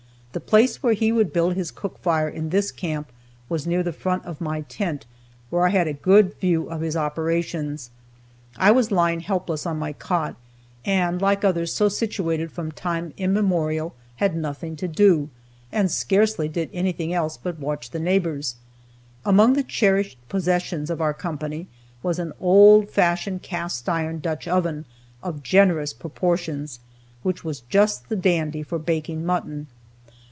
The place where he would build his cook fire in this camp was near the front of my tent, where I had a good view of his operations. I was lying helpless on my cot, and, like others so situated from time immemorial, had nothing to do, and scarcely did anything else but watch the neighbors. Among the cherished possessions of our company was an old fashioned cast iron Dutch oven, of generous proportions, which was just the dandy for baking mutton.